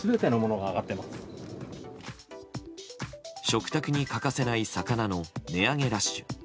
食卓に欠かせない魚の値上げラッシュ。